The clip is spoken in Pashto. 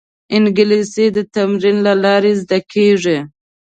انګلیسي د تمرین له لارې زده کېږي